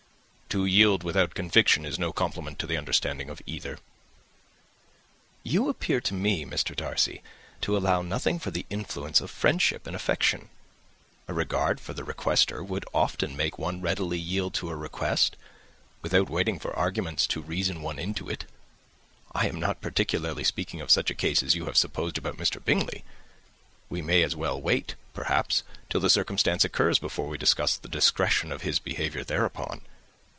"To yield without conviction is no compliment to the understanding of either." "You appear to me, Mr. Darcy, to allow nothing for the influence of friendship and affection. A regard for the requester would often make one readily yield to a request, without waiting for arguments to reason one into it. I am not particularly speaking of such a case as you have supposed about Mr. Bingley. We may as well wait, perhaps, till the circumstance occurs, before we discuss the discretion of his behaviour thereupon.